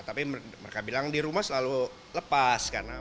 tapi mereka bilang di rumah selalu lepas